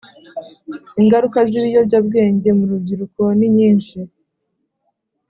. Ingaruka z’ibiyobyabwenge mu rubyiruko ni nyinshi